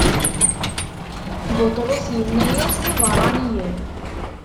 Buṭrus inna-as: D ibeṛṛaniyen.